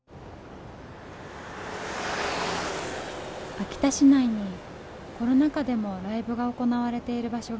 秋田市内にコロナ禍でもライブが行われている場所がある。